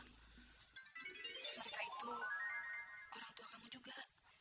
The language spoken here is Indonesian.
mereka itu orang tua kamu juga